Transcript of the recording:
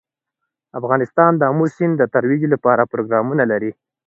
افغانستان د آمو سیند د ترویج لپاره پروګرامونه لري.